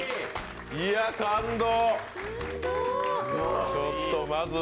いや、感動！